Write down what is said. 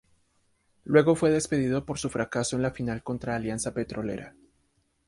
Luego fue despedido por su fracaso en la final contra Alianza Petrolera.